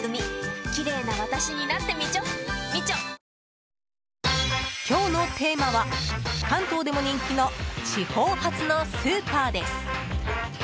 本麒麟今日のテーマは関東でも人気の地方発のスーパーです。